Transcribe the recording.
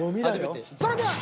それでは。